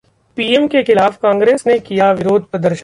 PM के खिलाफ कांग्रेस ने किया विरोध-प्रदर्शन